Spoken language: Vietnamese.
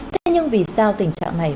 thế nhưng vì sao tình trạng này